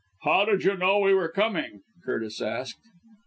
"How did you know we were coming," Curtis asked.